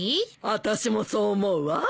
私もそう思うわ。